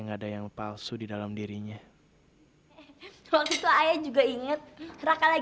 gak apa apa kamu keluar aja